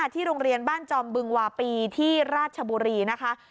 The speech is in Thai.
ที่โรงเรียนบ้านจอมบึงวาปีที่ราชบุรีนะคะ